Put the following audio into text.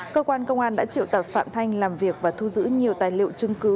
cơ quan công an đã triệu tập phạm thanh làm việc và thu giữ nhiều tài liệu chứng cứ